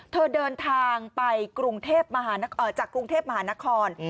เธอเดินทางไปจากกรุงเทพมหานคร